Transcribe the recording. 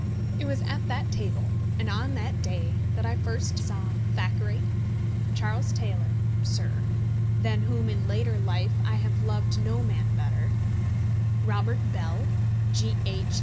It was at that table, and on that day, that I first saw Thackeray, Charles Taylor (Sir) than whom in latter life I have loved no man better, Robert Bell, G. H.